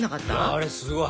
あれすごい。